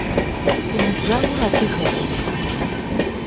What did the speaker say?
Si nıbjeğur adıgeş.